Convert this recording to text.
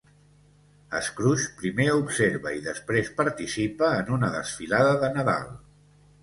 Scrooge primer observa i després participa en una desfilada de Nadal.